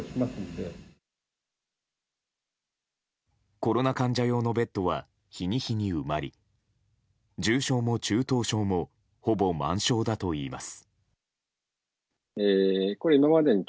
コロナ患者用のベッドは日に日に埋まり重症も中等症もほぼ満床だといいます。